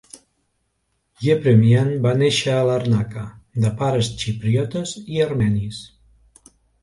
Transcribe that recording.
Yepremian va néixer a Larnaca, de pares xipriotes i armenis.